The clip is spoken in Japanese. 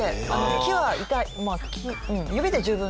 木は痛い。